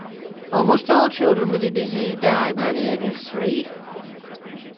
Almost all children with the disease die by the age of three.